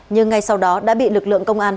nhưng ngay sau đó đã bị lực lượng công an